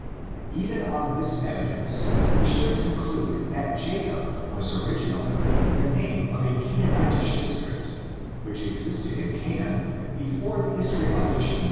Even on this evidence we should conclude that Jacob was origin ally the name of a Canaanitish district, which existed in Canaan before the Israelitish immigra tion.